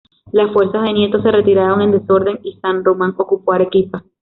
Las fuerzas de Nieto se retiraron en desorden y San Román ocupó Arequipa.